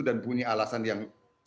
dan punya alasan yang